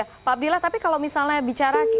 ya pak abdillah tapi kalau misalnya bicara